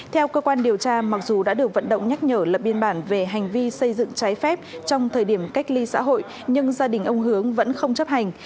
theo cơ quan điều tra mặc dù đã được vận động nhắc nhở lập biên bản về hành vi xây dựng trái phép trong thời điểm cách ly xã hội nhưng gia đình ông hướng vẫn không chấp hành